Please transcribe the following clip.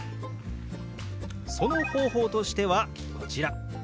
その方法としてはこちら。